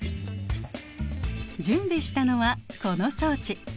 準備したのはこの装置。